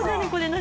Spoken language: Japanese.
何？